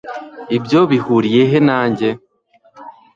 Ibyo bihuriye he nanjye